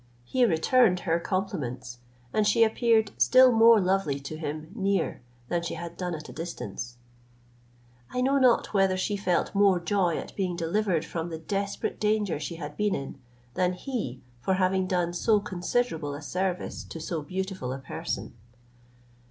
He returned her compliments; and she appeared still more lovely to him near, than she had done at a distance. I know not whether she felt more joy at being delivered from the desperate danger she had been in, than he for having done so considerable a service to so beautiful a person.